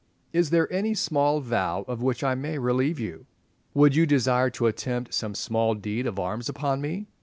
"Is there any small vow of which I may relieve you?" "Would you desire to attempt some small deed of arms upon me?"